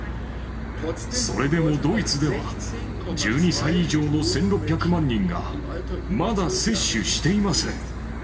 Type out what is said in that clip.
それでもドイツでは、１２歳以上の１６００万人がまだ接種していません。